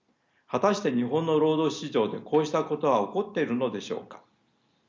果たして日本の労働市場でこうしたことは起こっているのでしょうか。